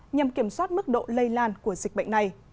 nhằm kiểm soát mức độ lây lan của dịch bệnh này